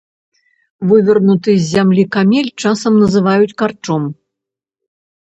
Вывернуты з зямлі камель часам называюць карчом.